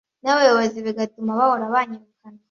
n’abayobozi bigatuma bahora banyirukana